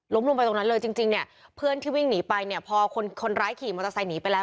ลงไปตรงนั้นเลยจริงเนี่ยเพื่อนที่วิ่งหนีไปเนี่ยพอคนร้ายขี่มอเตอร์ไซค์หนีไปแล้ว